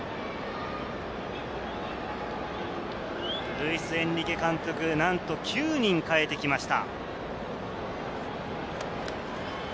ルイス・エンリケ監督、なんと９人代えてきました。